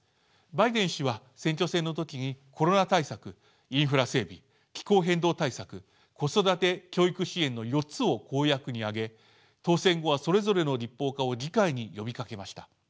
バイデン氏は選挙戦の時にコロナ対策インフラ整備気候変動対策子育て・教育支援の４つを公約にあげ当選後はそれぞれの立法化を議会に呼びかけました。